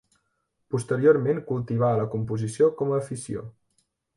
Posteriorment cultivà a la composició com a afició.